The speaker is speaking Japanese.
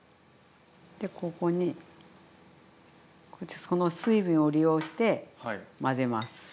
でここにこうやってその水分を利用して混ぜます。